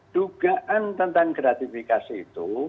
dugaan tentang kreatifikasi itu